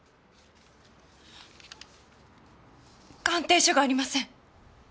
鑑定書がありません。